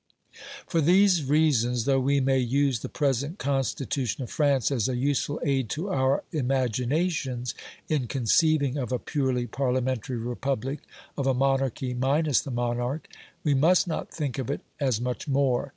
For these reasons, though we may use the present Constitution of France as a useful aid to our imaginations, in conceiving of a purely Parliamentary Republic, of a monarchy minus the monarch, we must not think of it as much more.